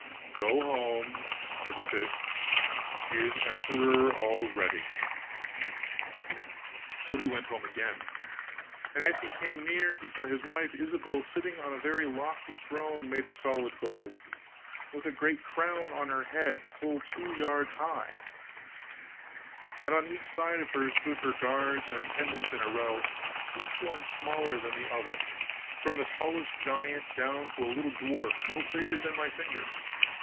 'Go home,' said the fish; 'she is emperor already.' So he went home again; and as he came near he saw his wife Ilsabill sitting on a very lofty throne made of solid gold, with a great crown on her head full two yards high; and on each side of her stood her guards and attendants in a row, each one smaller than the other, from the tallest giant down to a little dwarf no bigger than my finger.